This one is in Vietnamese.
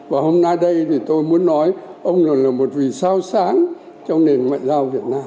và hôm nay đây tôi muốn nói ông là một vị sao sáng trong nền ngoại giao việt nam